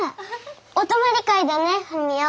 お泊まり会だねふみお。